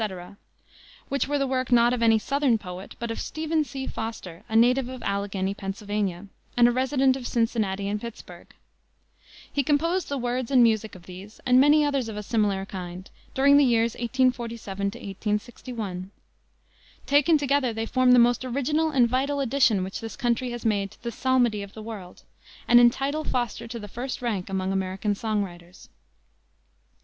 which were the work not of any southern poet, but of Stephen C. Foster, a native of Allegheny, Pa., and a resident of Cincinnati and Pittsburg. He composed the words and music of these, and many others of a similar kind, during the years 1847 to 1861. Taken together they form the most original and vital addition which this country has made to the psalmody of the world, and entitle Foster to the first rank among American song writers.